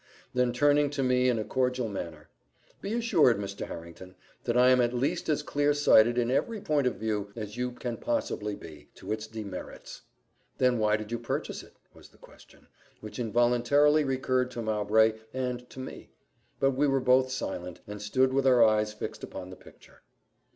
Then turning to me in a cordial manner, "Be assured, Mr. Harrington, that I am at least as clear sighted, in every point of view, as you can possibly be, to its demerits." "Then why did you purchase it?" was the question, which involuntarily recurred to Mowbray and to me; but we were both silent, and stood with our eyes fixed upon the picture.